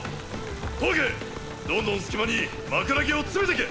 十朱どんどん隙間に枕木を詰めてけ！